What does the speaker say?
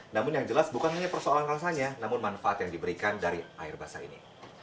namun yang jelas bukan hanya persoalan rasanya namun manfaat yang diberikan dari air basah ini